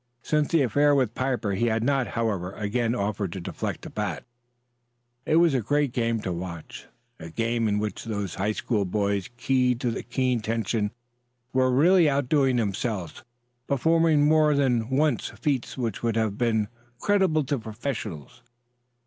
Since the affair with Piper he had not, however, again offered to deflect a bat. It was a great game to watch, a game in which those high school boys, keyed to a keen tension, were really outdoing themselves, performing more than once feats which would have been creditable to professionals.